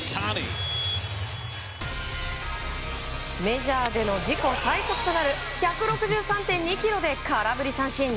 メジャーでの自己最速となる１６３．２キロで空振り三振。